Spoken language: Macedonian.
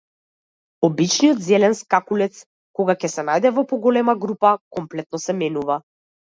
Обичниот зелен скакулец, кога ќе се најде во поголема група, комплетно се менува.